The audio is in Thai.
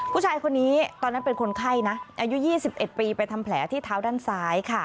ผู้ชายคนนี้ตอนนั้นเป็นคนไข้นะอายุ๒๑ปีไปทำแผลที่เท้าด้านซ้ายค่ะ